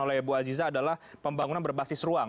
oleh bu aziza adalah pembangunan berbasis ruang